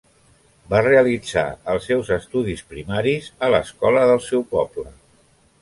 Va realitzar els seus estudis primaris a l'escola del seu poble.